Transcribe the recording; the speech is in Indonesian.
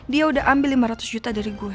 dia udah ambil lima ratus juta dari gue